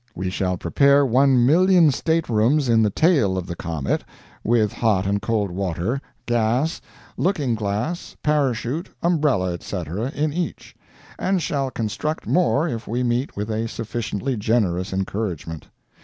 We shall prepare 1,000,000 state rooms in the tail of the comet (with hot and cold water, gas, looking glass, parachute, umbrella, etc., in each), and shall construct more if we meet with a sufficiently generous encouragement.